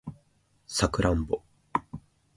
サクランボ